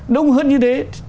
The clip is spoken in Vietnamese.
đông hơn như thế